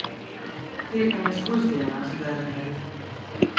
Tiekamies pusdienās, bērneļi.